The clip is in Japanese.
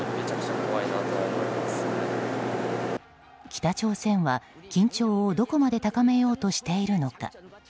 北朝鮮は緊張をどこまで高めようとしているのか。